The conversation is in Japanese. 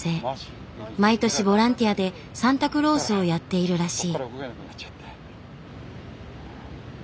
毎年ボランティアでサンタクロースをやっているらしい。